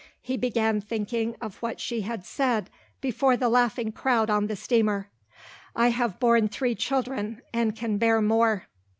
He began thinking of what she had said before the laughing crowd on the steamer. "I have borne three children and can bear more."